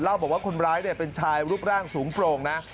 บอกว่าคนร้ายเป็นชายรูปร่างสูงโปร่งนะ